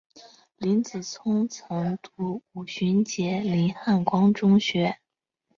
林子聪曾就读五旬节林汉光中学。